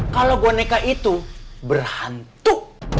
kalau boneka itu berhantu